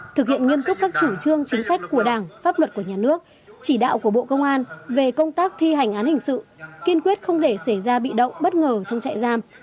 thực hiện nghiêm túc các chủ trương chính sách của đảng pháp luật của nhà nước chỉ đạo của bộ công an về công tác thi hành án hình sự kiên quyết không để xảy ra bị động bất ngờ trong trại giam